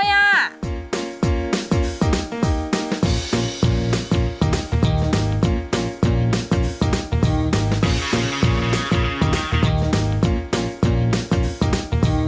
อยากจะชิมไวแต่เราต้องให้คะแนนก่อน